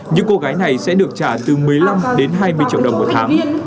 những cô gái này sẽ được trả từ một mươi năm đến hai mươi triệu đồng một tháng